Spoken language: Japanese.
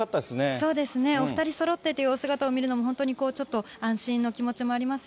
そうですね、お２人そろってっていうお姿を見るのも本当にちょっと安心の気持